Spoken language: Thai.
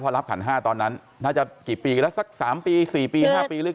พอรับขัน๕ตอนนั้นน่าจะกี่ปีแล้วสัก๓ปี๔ปี๕ปีหรือ